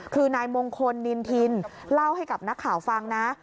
คือนายมงคลนินทินเล่าให้กับนักข่าวฟังนะ